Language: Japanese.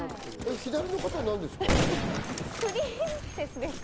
左の方は何ですか？